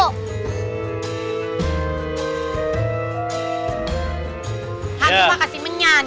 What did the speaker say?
hantu mah kasih menyanyi